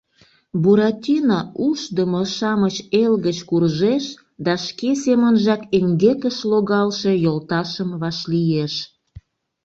Буратино Ушдымо-шамыч Эл гыч куржеш да шке семынжак эҥгекыш логалше йолташым вашлиеш